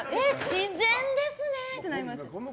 自然ですね！ってなります。